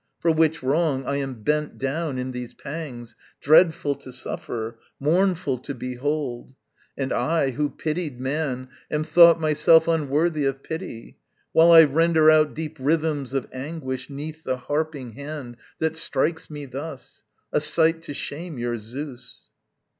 For which wrong, I am bent down in these pangs Dreadful to suffer, mournful to behold, And I, who pitied man, am thought myself Unworthy of pity; while I render out Deep rhythms of anguish 'neath the harping hand That strikes me thus a sight to shame your Zeus!